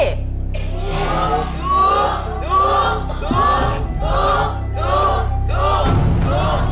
ถูก